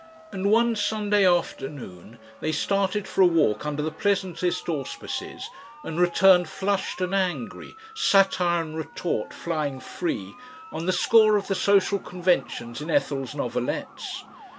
And one Sunday afternoon they started for a walk under the pleasantest auspices, and returned flushed and angry, satire and retort flying free on the score of the social conventions in Ethel's novelettes.